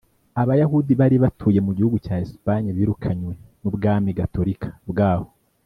Abayahudi bari batuye mu gihugu cya Espagne birukanwe n’ubwami Gatorika bwaho